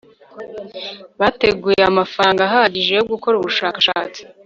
bateguye amafaranga ahagije yo gukora ubushakashatsi